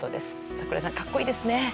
櫻井さん、格好いいですね。